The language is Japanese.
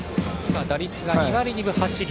打率が２割２分８厘。